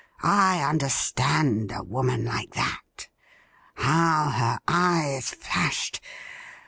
I understand a woman like that. How her eyes flashed